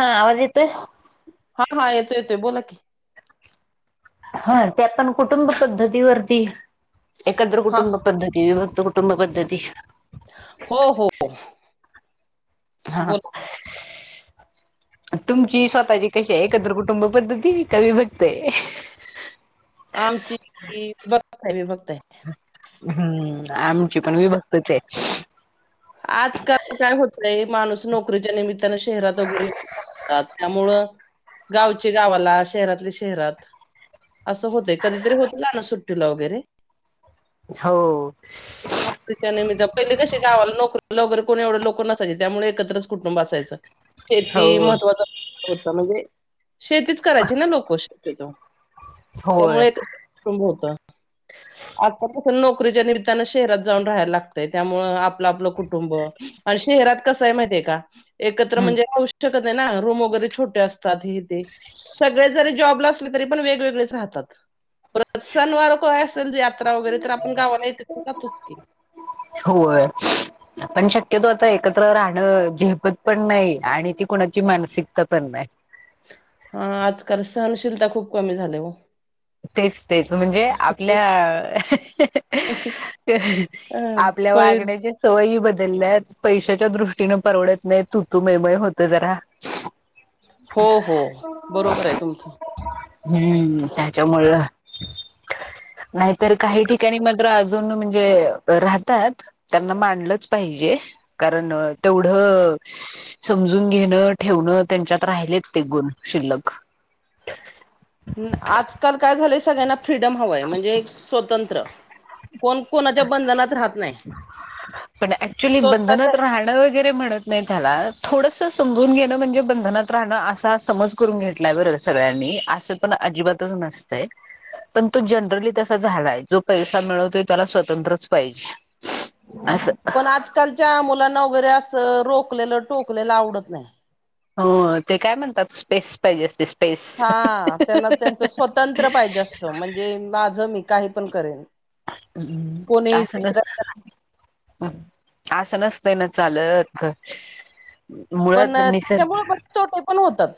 हा आवाज येतोय? हा हा येतोय येतोय बोला की. हा ते पण कुटुंब पद्धतीवरती एकत्र हा कुटुंब पद्धती विभक्त कुटुंब पद्धती हा बोल. तुमची स्वतःची कशी हाय एकत्र कुटुंब पद्धती काय विभक्त तय. आमची बघताय मी बघताय हम्म आमची पण विभक्त तच हाय. आजकाल काय होतय माणूस नोकरीच्या निमित्त शहरात जाऊन [unintelligible] राहतात त्यामुळं गावचे गावाला शहरातले शहरात असं होतय, कधीतरी होत जाण सुट्टीला वगरे हो नोकरीच्या निमित्त पहिली कशी गावाला नोक वगरे कोणी एवढं लोकं नसाय चित त्यामुळे एकत्र कुटुंब असायचं. तेेती हो महत्त्वाच होत म्हणजे शेतीच करायची ना लोक [inaudible] होय त्यामुळे एक कुंभ होता. आज नोकरीच्या निमित्तानं शहरात जाऊन राहायला लागतय. त्यामुळे आपलं आपलं कु कुटुंब अन शेहरात कसाय माहितीय का? एकत्र म्हणजे गोष्ट ना रूम वैगरे छोटे असतात हिर ते. सगळे जरी जॉबला असलीत तरी पण वेगवेगळेच राहतात. पण सन वार काय असलं जे वगैरे तर आपण गावाला येत जातोच की. आपण शक्यतो आता एकत्र राहणं झेपत पण नाही आणि ती कोणाची मानसिकता पण नाही. हा आजकाल सहनशीलता खूप कमी झाल्या ओ. तेच तेच म्हणजे आपल्या अ आपल्या पैल वागण्याच्या सवयी ब दल्यात पैशाच्या दृष्टीने परवडत नाही तू तू मैमय होत जरा. हो हो बरोबर आहे तुमचं. हम्म. त्यामुळ नाहीतर काही ठिकाणी मात्र अजून म्हणजे, राहतात त्यांना मांनलंच पाहिजे. कारण तेवढं समजून घेणं, ठेवणं त्यांच्यात राहिलेत ते गुण शिल्लक. आजकाल काय झालंय सगळ्यांना फ्रीडम हवंय. म्हणजे स्वतंत्र कोण कोणाच्या बंधनात राहत नाही. पण ऍक्च्युली स्वतःच्या बंधनात राहणं वगैरे म्हणत नाहीत ह्याला. थोडस समजून घेणं म्हणजे बंधनात राहणं असा समज करून घेतलाय बर सगळ्यांनी, असं पण अजिबातच नसतंय. पण तो जनरली तसा झालाय जो पैसा मिळवतोय त्याला स्वतंत्रच पाहिजे. असं पण आजकालच्या मुलांना बरं असं रोकलेलं, टोकलेलं आवडत नाही. हो ते काय म्हणतात स्पेस पाहिजे स्पेस हां त्यांना त्यांच स्वतंत्र पाहिजे असतं. म्हणजे माझं मी काही पण करेन. हम्म कोणी अस नस विचारायचं नाही असं नसतंय ना चालत. पण मुळात निसर्ग त्याच्यामुळे बरेच तोटे पण होतात.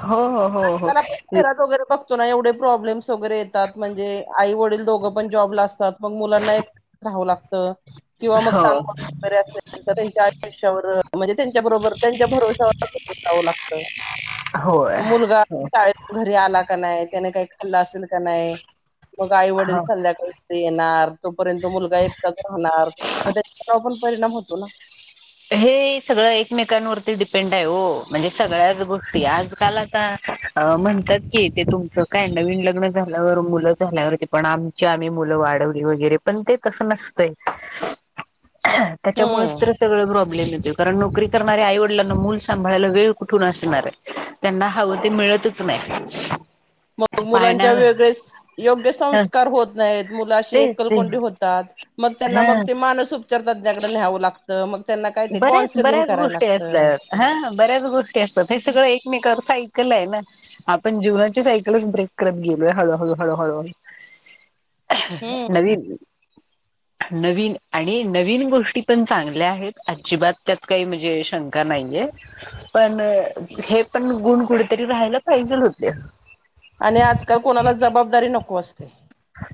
हो हो हो त्याला हो पणरात वगैरे बघतो ना एवढे प्रॉब्लेम्स वगैरे येतात. म्हणजे आई वडील दोघं पण जॉब ला असतात. मग मुलांना एकट राहावं लागत, किंवा मग हो कामवाली वगैरे असेल तर त्यांच्या भरोष्यावर म्हणजे त्यांच्या बरोबर त्यांच्या भरोश्यावर जाव लागत. होय मुलगा हो शाळेतून घरी आला का नाही त्याने काही खल्ला असेल का नाही. मग आई वडील हो संध्याकाळी घरी येणार. तोपर्यंत मुलगा एकटाच राहणार. मग त्याच्या वर परिणाम होत. हो ना. हे सगळं एकमेकांवरती डिपेंड आहे ओम्हणजे सगळ्याच गोष्टी. आजकाल आता म्हणतात की, ते तुमचं काय नवीन लग्न झाल्यावर, मुलं झाल्यावरती पण आमची आम्ही मुलं वाढवली वगैरे पण ते तसं नसतंय. त्याच्यामुळेच हम्म तर प्रॉब्लेम येतोय कारण नोकरी करऱ्या आईवडिलांना मूल सांभाळायला वेळ कुठून असणार आहे? त्यांना हवं ते मिळत च नाही. मग पाळणा मुलांच्या वेगळे योग्य संस्कार होत नाहीत मुला अशी तेच ते एकलकोंडी होतात मग त्यांना हा मग ते मानस उपचार तज्ज्ञाकडे न्यावं लागतं. तर मग त्यांना काय ते बऱ्याच कॉन्सलिंग बऱ्याच करायला गोष्टी लागतं असतात हा बऱ्याच गोष्टी असतात हे सगळं एकमेकांवर साई ल आहे ना आपण जीवनाची सायकलच ब्रेक करत गेलोय हळू हळू हळू हळू हळू. हम्म नवीन नवीन आणि नवीन गोष्टी पण चांगल्या आहेत. अजिबात त्यात काही म्हणजे शंका नाहीये पण हे पण गुण कुठेतरी राहायला पाहिजेल होते. आणि आजकाल कोणाला जबाबदारी नको असते.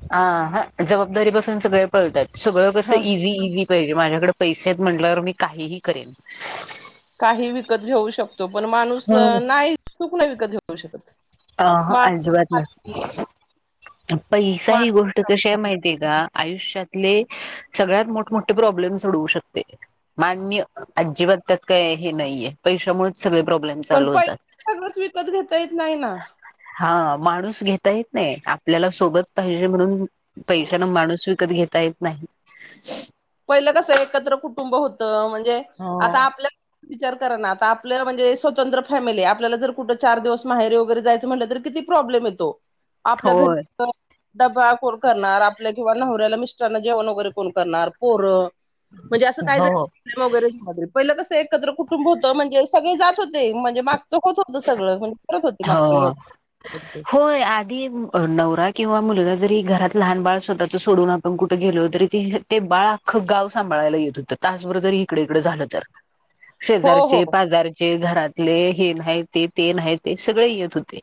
अं हं जबाबदारीपासून सगळे पळताय. सगळं कसं ह इझी- इझी.. पाहिजे माझ्याकडे पैसेत.. म्हटलं वर मी काहीही करेन. काही विकत घेऊ शकतो पण माणूस हम्म नाही चुक नाही विकत घेऊ.. होू शकत [unintelligible] अं हं मानसिक अजिंबात शांती नाही. अ पईसा ही गोष्ट मानसिक कशी आहे माहितीय का? आयुष्यातले सगळ्यात मोठमोठे प्रॉब्लेमस सोडवू शकते मान्य अजिबात त्यात काय हे नाहीये पैशामुळेच.. सगळे प्रॉब्लेम पण चालू होतात. पैसे सगळंच विकत घेता येत नाही ना? हा, माणूस घेता येत नाहीये का? आपल्याला सोबत पाहिजे म्हणून पैशानं माणूस विकत घेता येत नाही. पहिलं कसं एकत्र कुटुंब होतं म्हण.. जे हो. आता आपलं.. विचार करा ना, आता आपलं म्हणजे स्वतंत्र फॅमिली आपल्याला जर कुठं चार दिवस माहेरीे वगैरे जायचं म्हटलं तर किती प्रॉब्लेम येतो? आपल्या घरी.. होय डबा कोण करणार आपल्या किंवा नवऱ्याला मिस्टरांना जेवण वगैरे कोण करणार? पोरं म्हणजे असं काय झा हो वगैरे पहिलं कस [unintelligible] एकत्र कुटुंब होतं म्हणजे सगळे जात होते म्हणजे माग.. हो, होय आधी नवरा किंवा मुलगा जरी घरात लहान बाळ.. स्वतःच सोडून आपण कुठं गेलो तरी ते ते बाळ अख्खं गाव सांभाळायला येत होतं तासभर जरी इकडे इकडे झालं तर. हो हो शेजारचे, पाजारचे घरात.. ले हे नाही.. ते ते नाही ते सगळे येत होते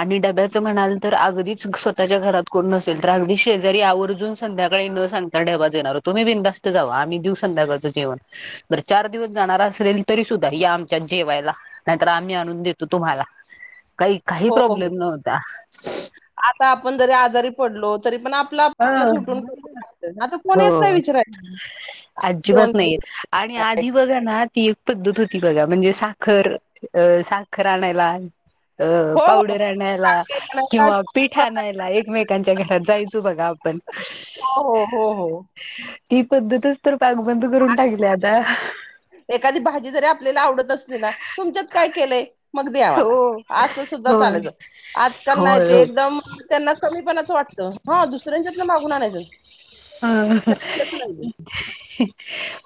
आणि डब्याचं म्हणाल तर अगदीच स्वतःच्या घरात कोण नसेल तर अगदी शेजारी आवर्जून संध्याकाळी न सांगता डबा दे येणार तुम्ही बिंदास्त जावा आम्ही देऊ संध्याकाळचं जेवण बर जर चार दिवस जाणार असेल तरी सुद्धा या आमच्यात जेवायला नाहीतर आम्ही.. देतो तुम्हाला. काही काही हो हो प्रॉब्लेम नव्हता. आता आपण जरी आजारी पडलो तरी पण आप अं कोण हो, येत नाही विचारायला दोन अजिबात नाहीयेत आणि आधी बघा ना ती.. पद्धत होती बघा म्हणजे साखर अं साखर आणायला.. अं हो, हो. पावडर आणायला काकडी बनवतात. किंवा पीठ आणायला एकमेकांच्या घरात जायचं बघ हो हो हो ती पद्धतच तर पॅकबंद करून टाकली आता. एखादी भाजी जरी आपल्याला आवडत असली ना तुमच्यात काय केलंय? मग द्या हो मला असं सुद्धा होय चालायचं, आजकाल नाही होय ते हो एकदम त्यांना कमीपणाचं वाटतं. हां, दुसऱ्यांच्यात न मागून आणायचं? ह शक्यच नाहीये.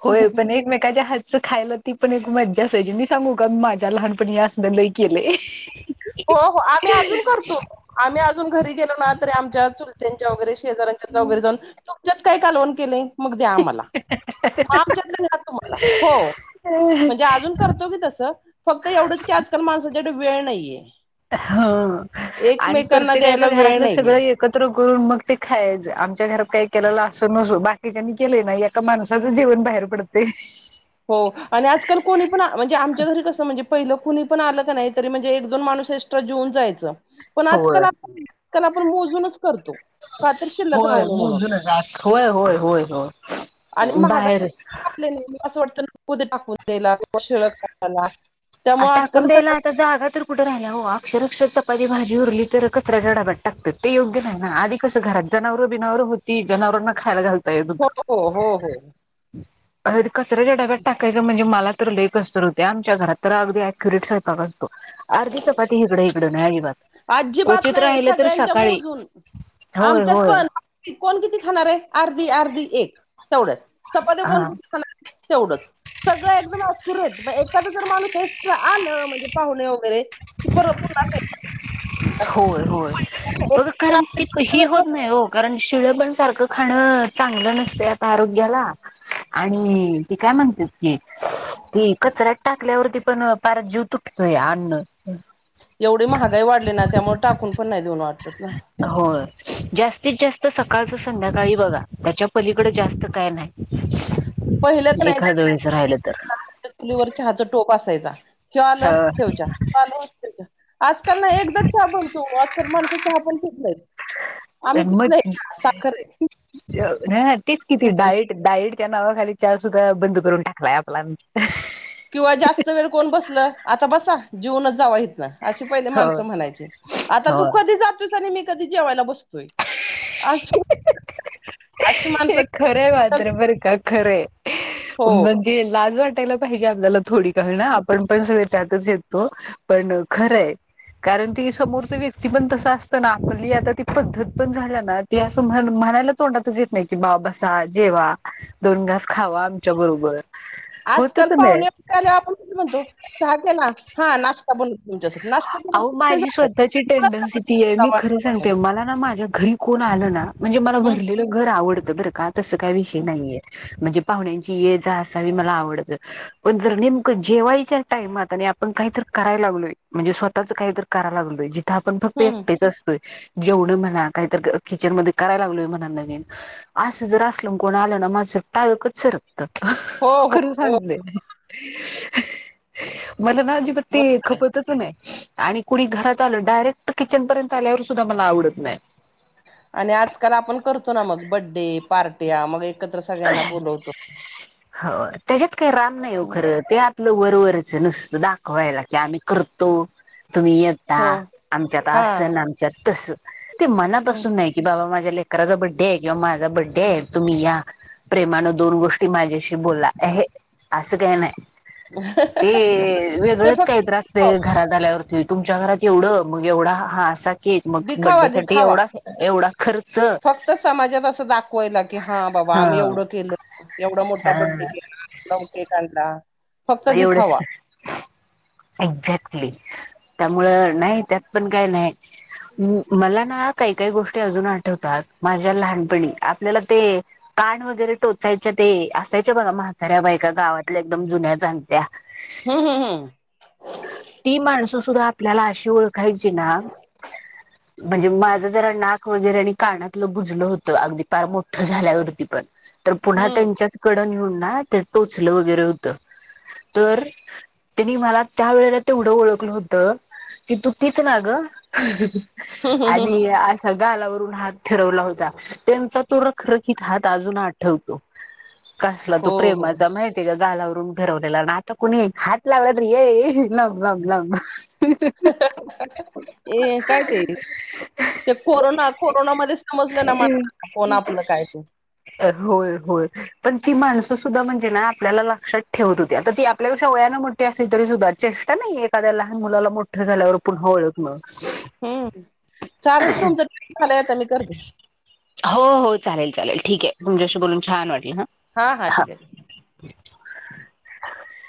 होय पण एकमेकाच्या च खायला ती पण एक मज्जा असायची मी सांगू का माझ्या लहानपण या अस लय केले हो हो आम्ही अजून करतो आम्ही अजून घरी गेलो ना तरी आमच्या चुलच्याच्या वगैरे शेजार्यांच्या वगैरे जाऊन त्याच्यात काय कालवण केलंय मग द्या मला मग आमच्यात घात तुमला हो म्हणजे अजून करतो की तसं फक्त एवढंच की आजकाल माणसा कड वेळ नाहीये ह आणि एकमेकांना प्रत्येकाच्या द्यायला वेळ घरातलं नाहीये. सगळं एकत्र करून मग ते खायच आमच्या घरात काही केले असं नस बाकीच्यानी केलं नाही एका माणसाचं जेवण बाहेर पडते हो आणि आजकाल कोणी पण म्हणजे आमच्या घरी कसं म्हणजे पहिलं कुणी पण आलं का नाही तरी म्हणजे एक दोन माणूस एक्स्ट्रा जेऊन जायचं पण आजकाल होय आप तर आपण मोजूनच करतो का तर शिल्लक राहू होय नये म्हणून मोजूनच होय होय होय होय आणि महागाई बाहेर आपले नेहमी असं वाटतं टाकून दयलायला आ टाकून द्यायला आता जागा तर कुठे राहिल्या हो शरक्ष चपाती भाजी उरली तर कचराडाबाट टाकतात ते योग्य नाही ना आधी कसं घरात जनावरं बिनावरं होती जनावरांना खायला घालत हो हो हो हो अ कचऱ्याच्या डाब्यात टाकायचं म्हणजे मला तर लेख असर होते आमच्या घरात तर अगदी ऍक्युरेट स्वयंपाक असतो अर्धी चपाती हीगड हीड ना आजीबात नाही सगळ्यांच्या मोजून होय आमच्यात होय पण कोण किती खाणार आहे अर्धी अर्धी एक तेवढंच चपात्या हा. कोण तेवढंच सगळं एकदम अक्युरेट एखादा जर माणूस एस्ट आलं म्हणजे पाहुणे वगैरे तर पुन्हा स्वयंपाक [inaudible] होय होय कारण ती ही होत नाही हो कारण शिळे पण सारखं खाणं चांगलं नसत आता आरोग्याला आणि ते काय म्हणत्यात की ती कचऱ्यात टाकल्यावरती पण पार जीव तुटतोया [unintelligible] एवढे महाग लय वाढलीय ना त्यामुळे टाकून पण नाही देऊ वाटत ना होय जास्तीत जास्त सकाळच संध्याकाळी बघा त्याच्या पलीकडं जास्त काय नाही. पहिलंच नाही एखाद वेळेस राहिलं तर. चुलीवर चहचा टोप असायचा. ह्यो आलं अ ठेव चहा त्यो आलं ठेव चहा. आजकाल ना एकदाच च्या बनतो, आजकाल माणस चहा पण पित नाहीत. आम्ही मग पिकलंय साखरयं [inaudible] तेच कि ते डाईट, डाईड. त्या नावाखाली चहासुद्धा बंद करून टाकलाय आपला, किंवा जास्त वेळ कोण बसल आता बसा जेवूनचं जावा इथ न अशी पहिले हो. माणसं म्हणायची, आता हो तू कधी जातुस आणि मी कधी जेवायला बसतोय. अछा. हे खरंय मात्र बरं का, खरंय. हो म्हणजे लाज वाट यला पाहीजे आपल्याला थोडी काही ना आपण पण सगळे त्यात येतो पण खरंय, कारण ती समोरच व्यक्ती पण तस असतं ना, आपली आता ती पद्धत पण झाल्या ना, ती असं म्ह म्हणायला तोंडात तस येत नाही की, बाव बसा जेवा दोन घास खावा आमच्या बरोबर. आजकाल होतच नाही पाहुणेवरल्या आपण कस म्हणतो चहा केला हा ना, अहो माझी स्वतःची टेंडन्सी ती आहे, मी खरं सांगते मला ना माझ्या घरी कोण आलं ना, म्हणजे मला हम्म भरलेलं घर आवडतं. तर का [unintelligible] तसं काही विषय नाहीये. म्हणजे पाहुण्यांची ये जा अस मला आवडत, पण जर नेमकं जेवायच्या टाइमात आणि आपण काहीत करायला लागलोय. म्हणजे स्वतःच कायतर करायला लागलोय. आपण फक्त हम्म एकटेच असतोय. जेवण म्हणा काहीतर किचन मध्ये करायला लागलोय, म्हणा नवीन असं जर असल कोण आलं ना, माझ टाळकच सर कत, हो हो खर हो सांगते. [inaudible] मला ना आजीबात ते बरोबर आहे खपत आणि कुणी घरात आलं डायरेक्ट किचन पर्यंत आल्यावर सुद्धा मला आवडत नाही. आणि आजकाल आपण करतो ना मग बड्डे पार्टी मग एकत्र सगळ्यांना बोलवतो. हो त्याच्या काय राम नाहीव खरं ते आपलं वरोवरच आहे नस दाखवायला की आम्ही करतो. तुम्ही यता हो आमच्या हा तस ना आमच्या तस ते हं. मनापासून नाही की बाबा मा ्या लेकचा बडे किंवा माझा बडे आहे तुम् या प्रेमान दोन गोी माझ्या बोलला असं काही नाही. ते ते वेगळेच काही त्रास ते फक्त घराात झाल्यावरती तुमच्या घरात एवढं मग एवढा हा असा क मग दिखावा बड्डेसाठीठी दिखावा एवढा एवढा खर्च फक्त समाजात असं दाखवायला की हा बाबा आम्ही ह एवढं केलं एवढा मोठा बड्डे केला एवढाक आणला. फक्त एवढच दिखावा एक्झॅक्टली त्यामुळ नाही त्यात पण काय नाही. मला ना काही काही गोष्टी अजून आठवतात. माझ्या लहानपणी आपल्याला ते कान वगैरे टोचायचे ते असायच्या बघा. अर बाई का गावात एकदम जुन्या सत्या हा हा हा ती माणस आपल्याला अशी ओळखायची ना म्हणजे माझ जरा नाक वगैरे आणि कानातलं बुजलं होतं अगदी फार मोठं झाल्यावरती पण तर पुन्हा हम्म त्यांच्याच कडं न्हुन हा ते टोचल वगैरे होत तर तिनी मला त्या वेळेला तेवढं ओळखलं होतं की तू तीच ना ग हम्म हम्म आणि हम्म हम्म अस गालावरून हात फिरवला होता, त्यांचा तो रखरखित हात अजून आठवतो. कसला तो हो हो प्रेमाचा माहितीय का गालावरून फिरवलेला आता कुणी हात लावला तरी [unintelligible] ये काय ते ते कोरोना कोरोनामध्ये समजलं ना कोण आपलं काय ते होय होय पण ती माणसं म्हणजे ना आपला लक्षात ठेवत होत्या आता ती आपल्यापेक्षा वयानं मोठी असल्या तरी सुद्धा चेष्टा नाही एाखाद्या लहान मुलाला मोठं झाल्यावर पुन्हा ओळखन हूं चालत तुमच झालाय आता मी करते. हो हो चालेल चालेल ठीक के तुमच्याशी बोलून छान वाटल हा हा ह ठीक आहे ह [unintelligible]